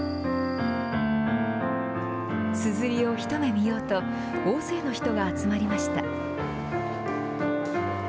すずりをひと目見ようと大勢の人が集まりました。